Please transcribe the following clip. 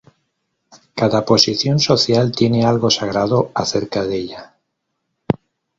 Cada posición social tiene algo sagrado acerca de ella.